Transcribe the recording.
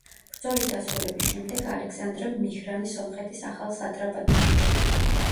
ბრძოლის დასრულების შემდეგ ალექსანდრემ მიჰრანი სომხეთის ახალ სატრაპად დანიშნა.